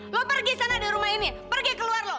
lo pergi sana di rumah ini pergi keluar lo